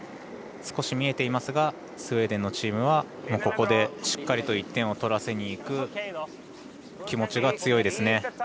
少し見えていますがスウェーデンのチームはここで、しっかりと１点を取らせにいく気持ちが強いですね。